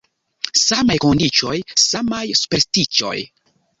Samaj kondiĉoj, samaj superstiĉoj.